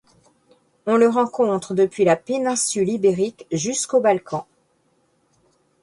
On le rencontre depuis la Péninsule Ibérique jusqu'aux Balkans.